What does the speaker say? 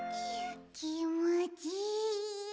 きもちいい。